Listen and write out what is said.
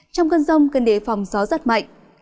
trong cơn rông cơn đế phòng gió rất mạnh